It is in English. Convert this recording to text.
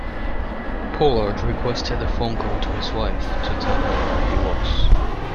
Pollard requested a phone call to his wife to tell her where he was.